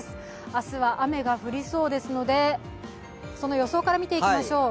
明日は雨が降りそうですのでその予想から見ていきましょう。